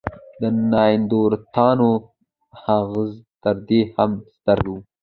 د نایندرتالانو مغز تر دې هم ستر و.